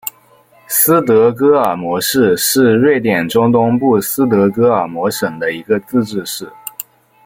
斯德哥尔摩市是瑞典中东部斯德哥尔摩省的一个自治市。